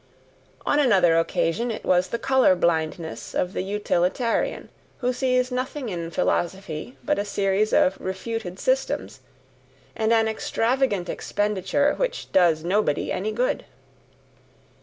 On another occasion it was the colour blindness of the utilitarian, who sees nothing in philosophy but a series of REFUTED systems, and an extravagant expenditure which "does nobody any good".